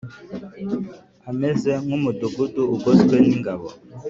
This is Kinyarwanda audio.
ameze nk’umudugudu ugoswe n’ingabo